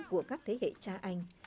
của các thế hệ cha anh